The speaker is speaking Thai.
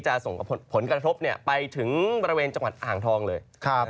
ส่งผลกระทบไปถึงบริเวณจังหวัดอ่างทองเลย